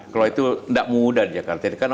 kalau itu tidak mudah di jakarta